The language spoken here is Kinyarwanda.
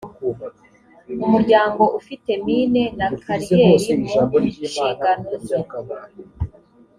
umuryango ufite mine na kariyeri mu nshingano ze